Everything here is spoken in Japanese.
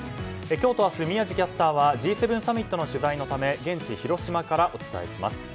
今日と明日、宮司キャスターはＧ７サミットの取材のため現地・広島からお伝えします。